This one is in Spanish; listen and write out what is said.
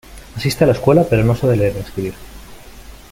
Asiste a la escuela, pero no sabe leer ni escribir.